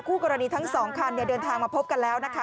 คู่กรณีทั้งสองคันเดินทางมาพบกันแล้วนะคะ